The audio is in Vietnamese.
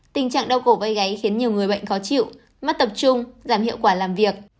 tình trạng đau cổ gây gáy khiến nhiều người bệnh khó chịu mất tập trung giảm hiệu quả làm việc